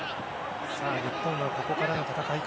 日本はここからの戦い方。